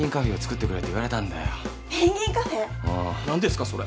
何ですか？